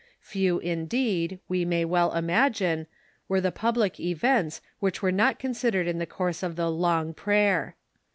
Few, indeed, we may well imagine, were the l^ublic events which were not considered in the course of the " long prayer."